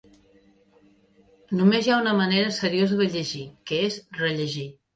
Només hi ha una manera seriosa de llegir, que és rellegir.